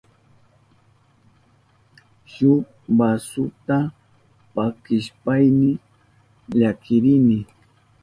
Shuk basuta pakishpayni llakirini.